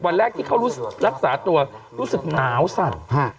วันแรกที่เขารักษาตัวรู้สึกหนาวสั่น